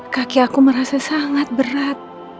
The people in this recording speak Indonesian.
kaki aku merasa sangat berat